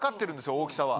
大きさは。